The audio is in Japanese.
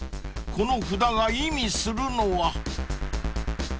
［この札が意味するのは？］